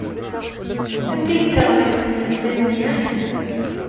Anta ay d taɣlamt-nnem tamenyaft?